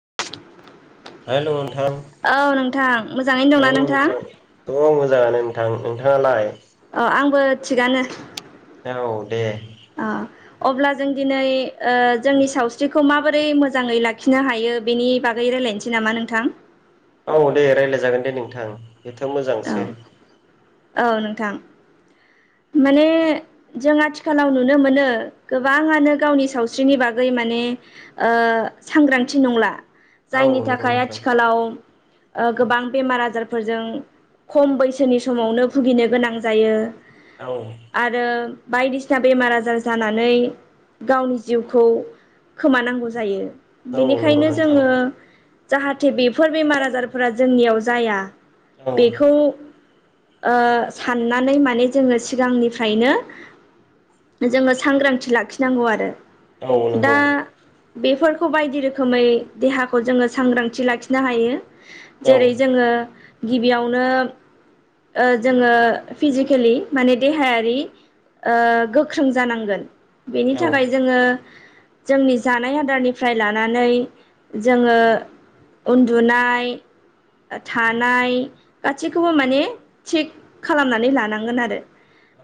[inaudible] Hello औ नोंथां मोजाङैनो दंना औ नोंथां दङ मोजाङानो नोंथां नोंथाङालाय? अ आंबो थिगानो। औ दे अ अब्ला जों दिनै ओ जोंनि सावस्रिखौ माबोरै मोजाङै लाखिनो हायो बेनि बागै राय लायनोसै नामा नोंथां? औ दे रायलायजागोन दे नोंथां बेथ' औ मोजांसो। औ नोंथां। माने जों आथिखालाव नुनो मोनो गोबाङानो गावनि सावस्रिनि बागै माने ओ सांग्रांथि नंला औ जायनि नंगौ थाखाय नोंथां आथिखालाव ओ गोबां बेमार आजारफोरजों खम बैसोनि समावनो भुगिनो गोनां जायो। औ आरो बायदिसिना बेमार आजार जानानै गावनि जिउखौ खोमानांगौ जायो। औ नंगौ बेनिखायनो नोंथां जोङो जाहाथे बेफोर बेमार आजारफोरा जोंनियाव जाया औ बेखौ ओ साननानै माने जोङो सिगांनिफ्रायनो जोङो सांग्रांथि लाखिनांगौ आरो औ दा नंगौ। बेफोरखौ बायदि रोखोमै देहाखौ जोङो सांग्रांथि लाखिनो हायो। औ जेरै जोङो गिबियावनो ओ जोङो फिजिकेलि माने देहायारि ओ गोख्रों जानांगोन बेनि औ थाखाय जोङो जोंनि जानाय आदारनिफ्राय लानानै जोङो उन्दुनाय थानाय गासैखौबो माने थिग खालामनानै लानांगोन आरो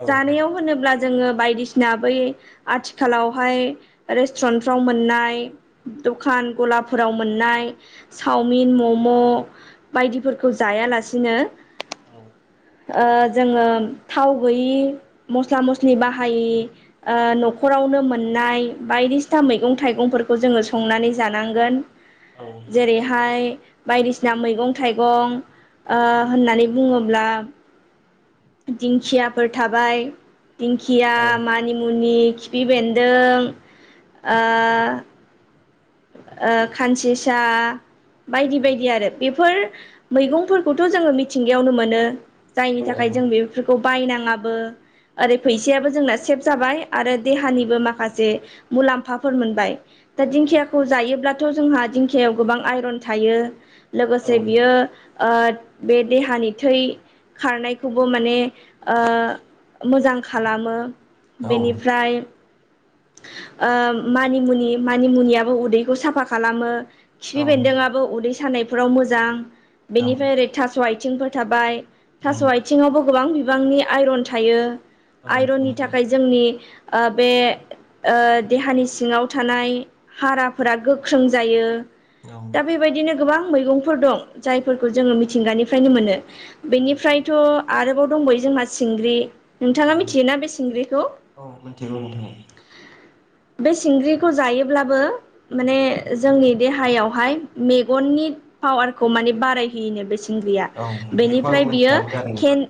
औ जानायाव होनोब्ला जोङो बायदिसिना बै आथिखालावहाय रेस्टुरेन्टफ्राव मोननाय दखान गलाफोराव मोननाय चावमिन मम' बायदिफोरखौ जायालासिनो औ ओ जोङो थाव गैयि मस्ला मस्लि बाहायि ओ न'खराव खौनो मोननाय बायदिसिना मैगं थाइगंफोरखौ जोङो संनानै जानांगोन। औ औ जेरैहाय बायदिसिना मैगं थाइगं ओ होननानै बुङोब्ला दिंखियाफोर थाबाय दिंखिया औ मानिमुनि खिफि बेन्दों ओ ओ खानसिसा बायदि बायदि आरो बेफोर मैगंफोरखौथ' जोङो मिथिंगायावनो मोनो जायनि नंगौ औ थाखाय जों बेफोरखौ बायनां ङाबो ओरै फैसायाबो जोंना सेब जाबाय आरो देहानिबो औ माखासे मुलाम्फाफोर मोनबाय दा दिंखिया जायोब्लाथ' जोंहा दिंखायाव गोबां आइरन थायो लोगोसे बियो ओ बे देहानि थै खारनायखौबो माने ओ मोजां खालामो औ बेनिफ्राय ओ मानिमुनि मानिमुनियाबो उदैखौ साफा खालामो। खिफि बेन्दोंआबो उदै सानायफोराव मोजां बेनिफ्राय ओरै थास' आइथिंफोर थाबाय। थास' आइथिङावबो गोबां बिबांनि आइरन थायो आइरननि थाखाय जोंनि ओ बे ओ देहानि सिङाव थानाय हाराफोरा गोख्रों जायो। दा बेबायदिनो गोबां मैगंफोर दं जायफोरखौ जोङो मिथिंगानिफ्रायनो मोनो। बेनिफ्रायथ' आरोबाव दंबयो जोंहा सिंग्रि नोंथाङा मिथियोना बे सिंग्रिखौ? औ मिथिगौ नोंथां [inaudible] बे सिंग्रिखौ जायोब्लाबो माने जोंनि देहायावहाय मेगननि पावारखौ माने बारायहोयोनो बे सिंग्रिया औ बेखौ आं बेनिफ्राय बियो मिथियामोन आरो नोंथां केेन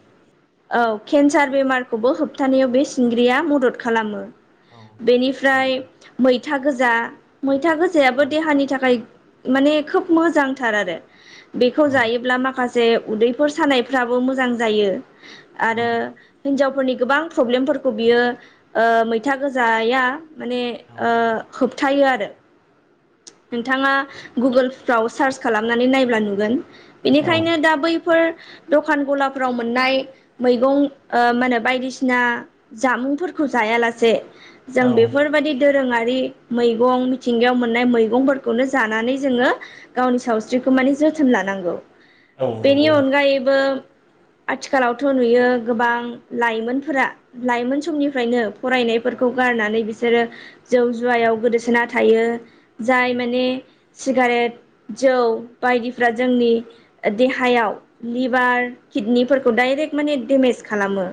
औ केन्सार बेमारखौबो होबथानायाव बे सिंग्रिया मदद खालामो। औ बेनिफ्राय नंगौ मै था गोजा मैथा गोजायाबो नोंथां। देहानि थाखाय माने खोब मोजांथार आरो। बेखौ औ जायोब्ला माखासे उदैफोर सानायफ्राबो मोजां जायो। औ नंगौ आरो हिनजावफोरनि गोबां प्रब्लेमफोरखौ बियो ओ मै था गोजाया माने नोंथां ओ होबथायो आरो। नोंथाङा गुगोलफ्राव सार्च खालामनानै नायब्ला नुगोन। औ बिनिखायनो दा बैफोर दखान गलाफोराव मोननाय मैगं ओ मा होनो बायदिसिना जामुंफोर खौ जायालासे जों औ बेफोरबायदि दोरोङारि मैगं मिथिंगायाव मोन नाय मैगंफोरखौनो जानानै जोङो गावनि सावस्रिखौ माने जोथोन लानांगौ। औ बेनि नंगौ अनगायैबो आथिखालावथ' नुयो गोबां लाइमोनफोरा लाइमोन समनिफ्रायनो नोंथां फरायनायफोरखौ गारनानै बिसोरो जौ जुवायाव गोदोसोना थायो। औ जाय माने सिगारेट जौ बायदिफ्रा जोंनि देहायाव लिभार किडनिफोरखौ डाइरेक्ट माने डेमेज खालामो।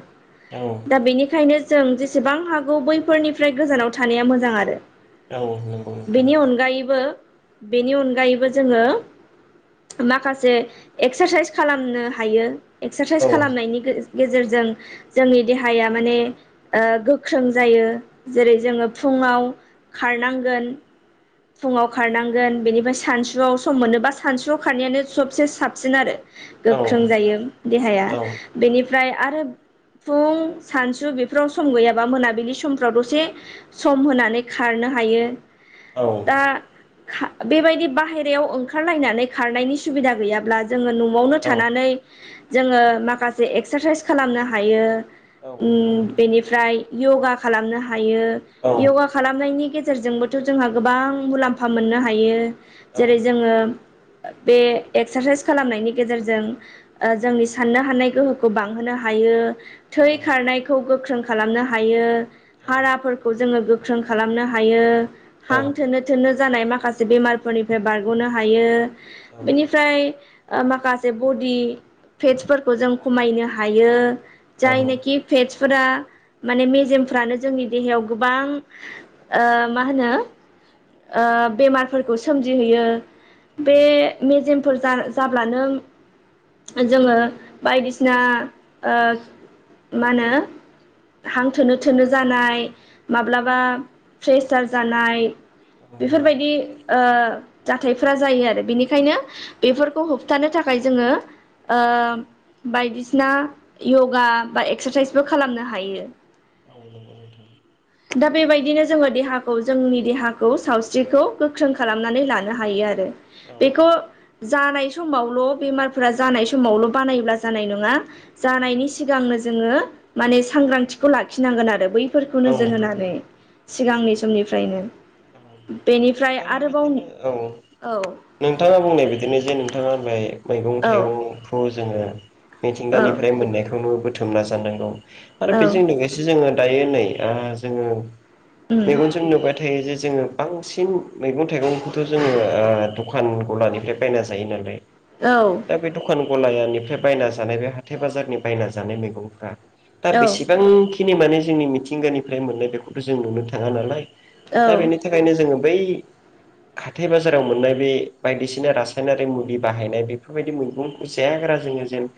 औ दा बेनिखायनो जों जेसेबां हागौ बैफोरनिफ्राय गोजानाव थानाया मोजां आरो। औ नोंगौ बेनि अनगायैबो बेनि अनगायैबो जोङो माखासे एक्सासाइस खालामनो हायो एक्सासाइस खालामनायनि गेजेरजों जोंनि देहाया माने ओ गोख्रों जायो जेरै जोङो फुं ङाव खारनांगोन फुङाव खारनांगोन बेनिफ्राय सानसुआव सम मोनोबा सानसुआव खारनायानो सबसे साबसिन आरो। गोख्रों जायो देहाया बेनिफ्राय आरो फुं सानसु बेफोराव सम गैयाबा मोनाबिलि समफ्राव दसे सम होनानै खार नो हायो। दा खा बेबायदि बाहेरायाव ओंखारलायनानै खारनायनि सुबिदा गैयाब्ला जोङो न'वावनो थानानै जोङो माखासे एक्सारसाइस खालामनो हायो। ओम बेनिफ्राय य'गा खालामनो हायो औ औ औ य'गा खालामनायनि गेजे रजोंबोथ' जोंहा गोबां मुलाम्फा मोननो हायो। जेरै जोङो बे एक्सारसाइस खालामनायनि गेजेरजों ओ जों साननो हानाय गोहोखौ बांहोनो हायो। थै खारनायखौ गोख्रों खालामनो हायो हाराफोरखौ जोङो गो ख्रों खालामनो हायो हां थोनो थोनो जानाय माखासे बेमारफोरनिफ्राय बारग'नो हायो। बेनिफ्राय माखासे बडि फेटसफोरखौ जों खमायनो हायो। जाय नाखि फेटस फोरा माने मेजेमफ्रानो जोंनि देहायाव गोबां ओ मा होनो ओ बेमारफोरखौ सोमजिहोयो बे मेजेम फोर जाब्लानो जोङो बायदिसिना ओ मा होनो हां थोनो थोनो जालाय माब्लाबा प्रेसार जालाय बेफोरबायदि ओ जाथायफोरा जायो आरो बेनिखायनो बेफोरखौ होबथानो थाखाय जोङो ओ बायदिसिना यगा बा एक्सारसाइसबो खालामनो हायो औ [unintelligible] दा बेबायदिनो जोङो देहाखौ जोंनि देहा खौ सावस्रिखौ गोख्रों खालामनानै लानो हायो आरो बेखौ जानाय समावल बेमारफोरा जानाय समावल बानायोब्ला जानाय नङा जानायनि सिगांनो जोङो माने सांग्रांथिखौ लाखिनांगोन आरो बैफोरखौ नोजोर होनानै सिगांनि समनिफ्रायनो बेनिफ्राय दा आरोबाव बेबायदिनो औ औ नोंथाङा बुंनाय बादिनो जे नोंथाङा [unintelligible] मैगं औ थाइगंखौ जोङो औ मिथिंगानिफ्राय मोननायखौनो बुथुमना जानांगौ आरो औ बेजों लोगोसे जोङो दायो नै ओ जोङो उम मेगनजों नुबाय थायो जे जोङो बांसिन मैगं थाइगंखौथ जोङो ओ दखान गलानिफ्राय बायना जायो नालाय औ दा बे दखान गलायानिफ्राय बायना जानाय बे हाथाय बाजारनि बायना जानाय मैगंफ्रा दा औ बेसेबांखिनि माने जोंनि मिथिंगानिफ्राय मोननाय बेखौथ जों नुनो थाङा नालाय औ दा बेनि थाखायनो जोङो बै हाथाइ बाजाराव मोननाय बे बायदिसिना रासायनारि मुलि बाहायनाय बेफोरबायदि मैगंखौ जाया गा रा जोङो जेन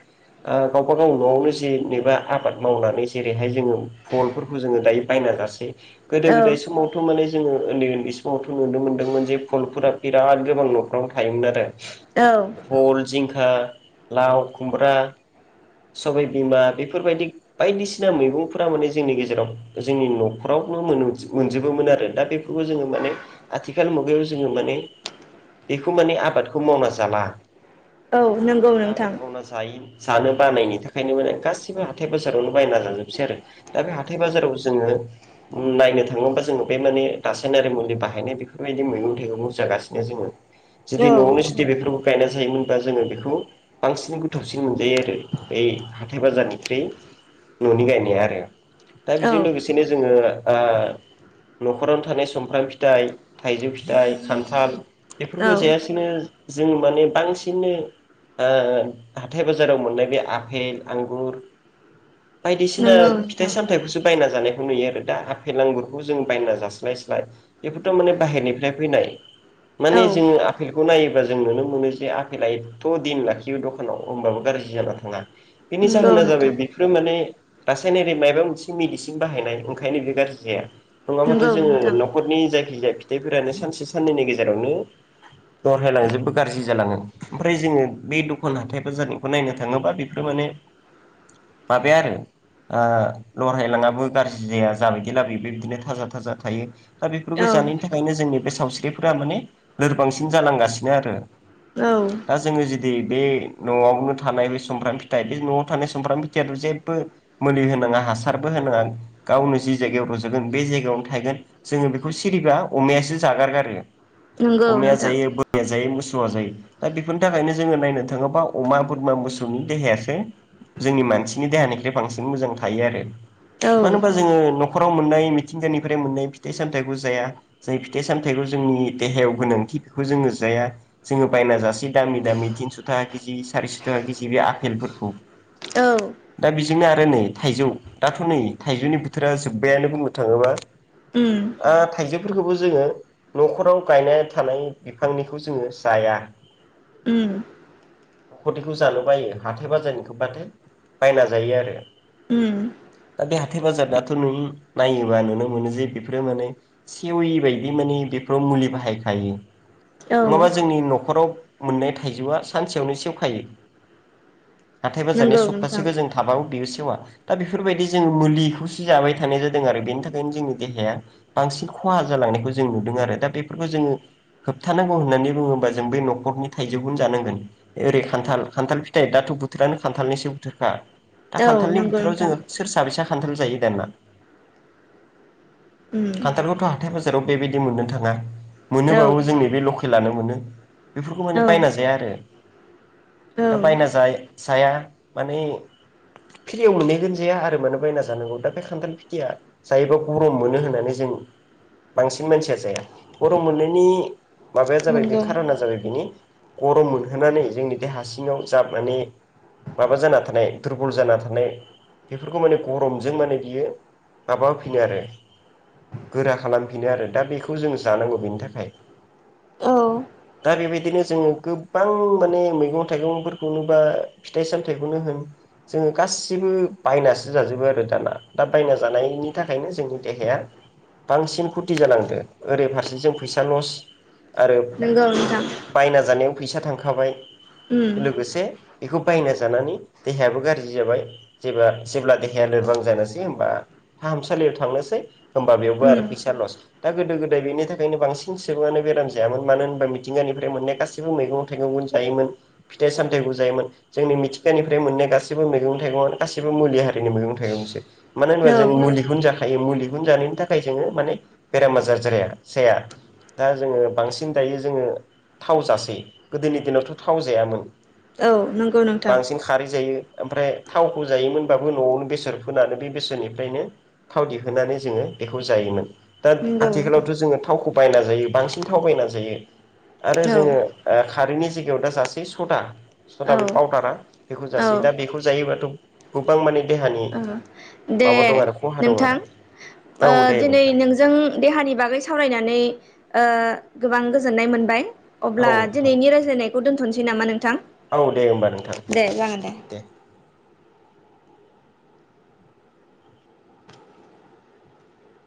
आ गावबा गाव नआवनो जेनेबा आबाद मावनानै जेरैहाय जोङो भलफोरखौ जोङो दायो बायना जासै गोदो गोदाय समावथ माने जोङो उन्दै उन्दै समावथ नुनो मोनदोंमोन जे भलफोरा बिराद गोबां नफ्रावनो थायोमोन आरो औ भल जिंखा लाव खुमब्रा सबाय बिमा बेफोरबायदि बायदिसिना मैगंफोरा माने जोंनि गेजेराव जोंनि नखराव नो मोनजोबोमोन आरो दा बेफोरखौ जोङो माने आथिखाल मु गायाव जोङो माने बेखौ माने आबादखौ मावना जाला औ नंगौ दा आबाद नोंथां मावना जायै जानो बानायनि थाखायनो माने गासिबो हाथाइ बाजारावनो बायना जाजोबसै आरो दा बे हाथाइ बाजाराव जोङो नायनो थाङोबा जोङो बे माने रासायनारि मुलि बाहायनाय बेफोरबायदि मैगं थाइगंखौ जागासिनो जोङो जुदि औ न आवनो जुदि बेफोरखौ गायना जायोमोनबा जोङो बेखौ बांसिन गोथावसिन मोनजायो आरो बै हाथाइ बाजारनिख्रुय ननि गायनाया आरो दा औ बेजों लोगोसेनो जोङो ओ नखरावनो थानाय सुमफ्राम फिथाइ थाइजौ फिथाइ खान्थाल बेफोरखौ औ जायासेनो जों माने बांसिननो ओ हाथाइ बाजाराव मोननाय बे आफेल आंगुर बायदिसिना नंगौ फिथाइ नोंथां सामथाइखौसो बायना जानायखौ नुयो आरो दा आफेल आांगुरखौ जों बायना जास्लायस्लाय बेफोरथ माने बाहेरनिफ्राय फैनाय औ माने जोङो आफेलखौ नायोबा जों नुनो मोनो जे आफेला एथ दिन लाखियो दखानाव होमबाबो गाज्रि जाना थाङा बेनि नंगौ जाहोना जाबाय नोंथां बेफोरो माने रासायनारि माबेबा मोनसे मेडिसिन बाहायनाय ओंखायनो बे गाज्रि जाया नङाबाथ नंगौ जोङो नोंथां नखरनि जायखिजाया फिथाइफोरानो सानसे साननैनि गेजेरावनो दरहायलांजोबो गाज्रि जालाङो ओमफ्राय जोङो बे दखान हाथाय बाजारनिखौ नायनो थाङोबा बेफोर मा ने माबाया आरो ओ लरहायलाङाबो गाज्रि जाया जाबायदि लाबोयो बे बिदिनो थाजा थाजा थायो दा बेफोरखौ औ जानायनि थाखायनो जोंनि बे सावस्रिफोरा माने लोरबांसिन जालांगासिनो आरो औ दा जोङो जुदि बे नआवनो थानाय बे सुमफ्राम फिथाइ बे नआव थानाय सुमफ्राम फिथाइयाथ जेबो मुलि होनाङा हासारबो होनाङा गावनो जि जायगायाव रजगोन बे जाय गावनो थाइगोन जोङो बेखौ सिरिबा अमायासो जागारगारो। नंगौ अमाया नोंथां जायो बोरमया जायो मो सौया जायो। दा बेफोरनि थाखायनो जोङो नायनो थाङोबा अमा बोरमा मोसौनि देहायासो जोंनि बांसिननि देहानिफ्राय बां मोजां थायो आरो मानो औ होमबा जोङो नखराव मोननाय मि थिंगानिफ्राय मोननाय फिथाइ सामथाइखौ जाया। जाय फिथाइ सामथायाइखौ जोंनि देहायाव गोनांथि बेखौ जोङो जा या। जोङो बायना जाासै दामि दामि थिनस' थाखा केजि सारिस' थाखा केजि बे आफेलफोरखौ औ दा बेजोंनो आरो नै थाइजौ दाथ' नै थाइजौनि बोथोरा जोब्बायानो बुं नो थाङोबा उम आ थाइजौ फोरखौबो जोङो न'खराव गायना थानाय बिफांनिखौ जोङो जाया। उम नखरनिखौ जानो बायो हाथाय बाजारनि खोबबाथाय बायना जायो आरो उम दा बे हाथाइ बाजाबाथ' नुयो नायोबा नुनो मोनो जे बेफोरो माने सेवि बायदि माने बेफोराव मुलि बाहायखायो। औ नङाबा जोंनि न'खराव मोननाय थाइजौआ सानसेयावनो सेवखायो। हाथाय बाजारनि नंगौ नोंथां सप्तासेखौ जों थाबावो बेयो सेवा दा बेफोरबायदि जोङो मुलिखौसो जाबाय थानाय जा दों आरो बेनि थाखायनो जोंनि देहाया बांसिन खहा जालांनायखौ जों नुदों आरो दा बेफोरखौ जोङो होबथानांगौ होननानै बुङोबा जों बे न'खरनि थाइजौखौनो जानांगोन ओरै खान्थाल खान्थाल फिथाइ दा थ' बोथोरानो खान्थालनिसो बोथोरखा दा औ खान्थालनि नंगौ बोथोराव नोंथां जोङो सोर साबैसा खान्थाल जायो दानोना उम खान्थालखौथ' हाथाय बाजाराव बेबायदि मोननो थाङा औ मोनोबाबो जोंनि बे लके लनो मोन बेफोरखौ माने औ बायना जाया आरो औ बायना जा जाया माने फ्रियाव मोनहैगोन जाया आरो माने बायना जानांगौ दा बे खान्थाल फि [unintelligible] खुथिया जायोबा गरम मोनो होननानै जों बांसिन मानसिया जाया। गरम' मोननायनि माबाया जाबाय बे नंगौ खार'ना जाबाय बे बिनि गरम मोनहोनानै जोंनि देहा सिङाव जा माने माबा जाना थानाय दुरबल जाना थानाय बेफोरखौ माने गरमजों माने बियो माबा होफिनो आरो गोरा खालामफिनो आरो दा बेखौ जों जानांगौ बेनि थाखाय औ दा बेबायदिनो जोङो गोबां माने मैगं थाइगंफोरखौनो बा फिथाइ सामथाइखौनो होन जोङो गासिबो बायनासो जाजोबो आरो दाना दा बायना जानायनि थाखायनो जोंनि देहाया बांसिन खुथि जानांदो ओरै फारसे जों फैसा लस आरो नंगौ नोंथां बायना जानायाव फैसा थांखाबाय उम लोगोसे बेखौ बायना जानानै देहायाबो गाज्रि जाबाय जेब्ला जेब्ला देहाया लोरबां जानोसै होमबा फाहामसालियाव थांनोसै होमबा बेयावबो आरो उम फैसा लस दा गोदो गोदाय बेनि थाखायनो बांसिन सुबुङानो बेराम जायामोन मानो होनबा मिथिंगानिफ्राय मोननाया गासिबो मैगं थाइगं जायोमोन फिथाइ सामथाइखौ जायोमोन जोंनि मिथिंगानिफ्राय मोननाय गासैबो मैगं थाइगं गासिबो मुलि मैगं थाइगंसो मानो होनोब्ला औ जों मुलिखौनो थायो मुलिखौ जानायनि थाखाय जोङो माने बेराम आजार जाया जाया दा जोङो बांसिन दायो जोङो थाव जासै गोदोनि दिनावथ थाव जायामोन औ नंगौ नोंथां बांसिन खारै जायो ओमफ्राय थावखौ जायोमोनबाबो नआवनो बेसर फोनानो बे बेसोरनि नो थाव दिहुनानै जोङो बेखौ जायोमोन दा नंगौ नोंथां आथिखालावथ जोङो थावखौ बायना जायो बांसिन थाव बायना जायो आरो औ जोङो ओ खारैनि जायगायाव दा जासै सदा सदा औ बे पाउदारा बेखौ जासै औ दा बेखौ जायोबाथ गोबां माने देहानि औ दे माबा दं आरो खहा दं नोंथां आरो ओ औ दे दिनै नोंथां नोंजों देहानि बागै सावरायनानै ओ गोबां गोजोननाय मोनबाय औ अब्ला नोंथां दिनैनि रायज्लायनायखौ दोनथनोसै नामा नों थां औ दे होमबा नोंथां दे जागोन दे